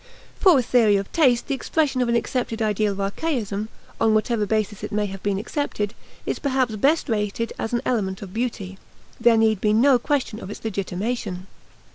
For a theory of taste the expression of an accepted ideal of archaism, on whatever basis it may have been accepted, is perhaps best rated as an element of beauty; there need be no question of its legitimation.